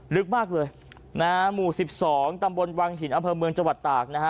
ลึกมากเลยนะฮะหมู่๑๒ตำบลวังหินอำเภอเมืองจังหวัดตากนะฮะ